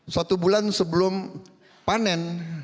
satu bulan sebelum panen